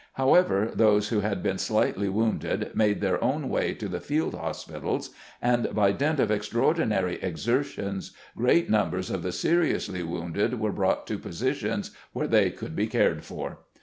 However, those who had been slightly wounded made their own way to the field hospitals, and by dint of extraordinary exertions, great numbers of the seri ously injured were brought to positions where they could be cared for.